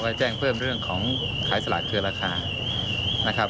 แจ้งเพิ่มเรื่องของขายสลากเกินราคานะครับ